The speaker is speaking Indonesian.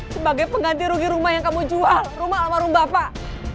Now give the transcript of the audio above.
sebagai pengganti rugi rumah yang kamu jual rumah almarhum bapak